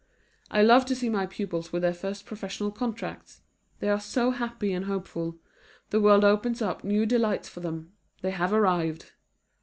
I love to see my pupils with their first professional contracts! They are so happy and hopeful; the world opens up new delights for them; they have arrived.